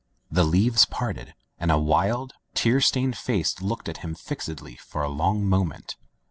... The leaves parted and a wild, tear stained face looked at him fixedly for a long moment.